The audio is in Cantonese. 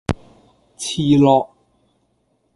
蚝烙